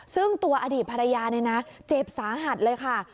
ซึ่งตัวอดีตภรรยาเนี่ยนะเจ็บสาหัสเลยค่ะ